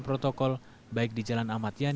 menurut petugas razia parkir liar dilakukan